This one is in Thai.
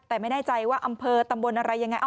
แต่ไม่แน่ใจว่าอำเภอตำบลอะไรยังไง